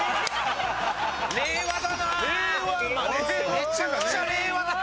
めちゃくちゃ令和だなあ。